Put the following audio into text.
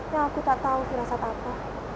yang aku tak tahu firasat apa